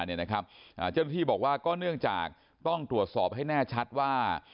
เจ้าหน้าที่บอกว่าก็เนื่องจากต้องตรวจสอบให้แน่ชัดว่า